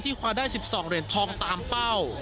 คว้าได้๑๒เหรียญทองตามเป้า